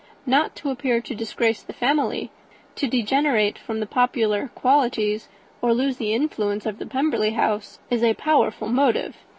Not to appear to disgrace his family, to degenerate from the popular qualities, or lose the influence of the Pemberley House, is a powerful motive.